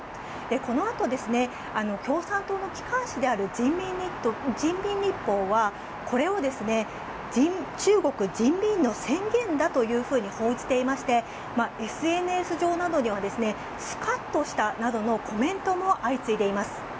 このあと共産党の機関紙である人民日報はこれを中国人民の宣言だと報じていましてＳＮＳ上などにはスカッとしたなどのコメントも相次いでいます。